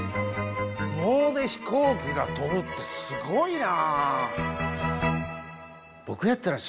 藻で飛行機が飛ぶってすごいな。